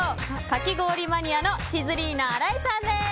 かき氷マニアのシズリーナ荒井さんです。